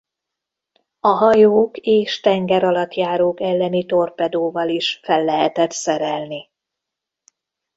A hajók és tengeralattjárók elleni torpedóval is fel lehetett szerelni.